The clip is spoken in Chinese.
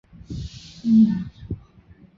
德尔斐女先知以前的故事。